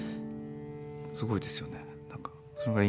すごいですよね。